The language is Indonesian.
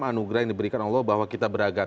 anugerah yang diberikan allah bahwa kita beragam